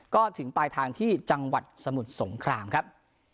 ก็ถึงปลายทางที่จังหวัดสมุทรสงครามครับ